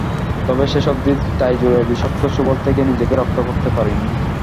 তবে শেষ অবদি তাইজুলের বিষাক্ত ছোবল থেকে নিজেকে রক্ষা করতে পারেননি।